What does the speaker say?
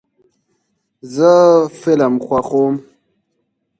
زه فلم خوښوم.